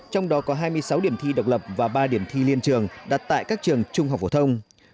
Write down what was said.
trong đó có hai mươi sáu điểm thi độc lập và ba điểm thi liên trường đặt tại các trường trung học phổ thông